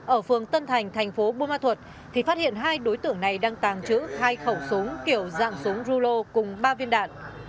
ở phường tân thành thành phố bù ma thuật thì phát hiện hai đối tượng này đang tàng trữ hai khẩu súng kiểu dạng súng rulo cùng ba viên đạn